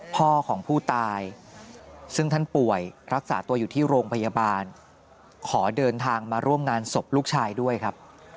พ่อของผู้ตายซึ่งท่านป่วยรักษาตัวอยู่ที่โรงพยาบาลขอเดินทางมาร่วมงานศพลูกชายด้วยครับ